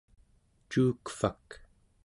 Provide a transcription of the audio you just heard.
cuukvak